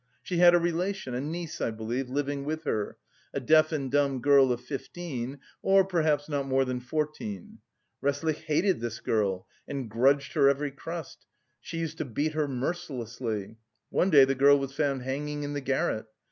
She had a relation, a niece I believe, living with her, a deaf and dumb girl of fifteen, or perhaps not more than fourteen. Resslich hated this girl, and grudged her every crust; she used to beat her mercilessly. One day the girl was found hanging in the garret.